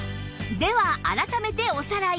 では改めておさらい